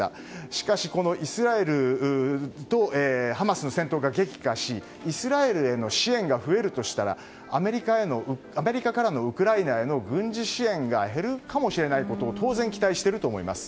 しかし、イスラエルとハマスの戦闘が激化しイスラエルへの支援が増えるとしたらアメリカからのウクライナへの軍事支援が減るかもしれないことを当然、期待しているかと思います。